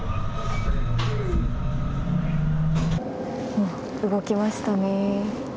おっ動きましたね。